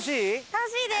楽しいです。